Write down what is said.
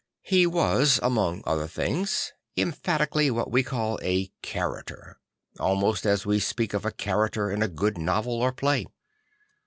He was, among other things, emphatically what we call a character; almost as we speak of a character in a good novel or play.